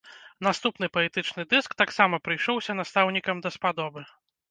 Наступны паэтычны дыск таксама прыйшоўся настаўнікам даспадобы.